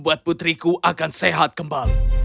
aku akan sehat kembali